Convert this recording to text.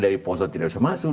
dari ponsel tidak bisa masuk